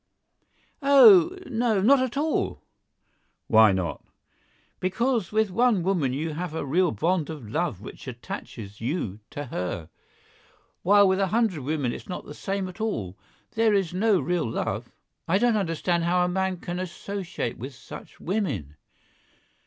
"Oh, no, not at all!" "Why not?" "Because with one woman you have a real bond of love which attaches you to her, while with a hundred women it's not the same at all. There is no real love. I don't understand how a man can associate with such women."